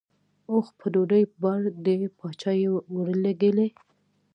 اوښ په ډوډۍ بار دی باچا یې ورلېږي.